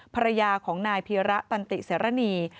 ภรรยาของนายพีระตันติเสรณี